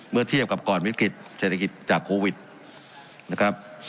เมื่อเทียบกับก่อนวิกฤตเศรษฐกิจจากโควิดนะครับ